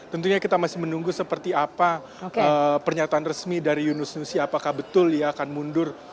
tentunya kita masih menunggu seperti apa pernyataan resmi dari yunus nusi apakah betul ia akan mundur